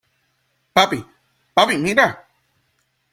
¡ papi! ¡ papi, mira !